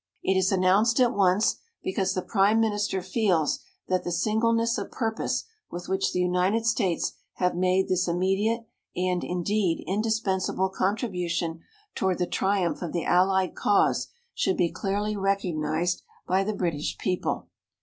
"It is announced at once, because the Prime Minister feels that the singleness of purpose with which the United States have made this immediate and, indeed, indispensable contribution toward the triumph of the Allied cause should be clearly recognized by the British people."